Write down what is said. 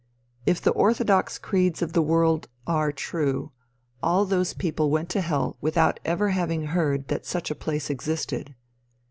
If the orthodox creeds of the world are true, all those people went to hell without ever having heard that such a place existed.